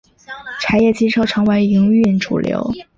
柴液机车成为营运主流。